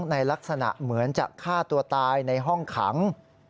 ในลักษณะเหมือนจะฆ่าตัวตายในห้องขัง